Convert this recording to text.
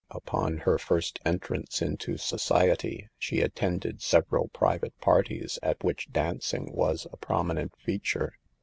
Upon her first entrance into society she attended several private parties at which dancing was a prominent feature.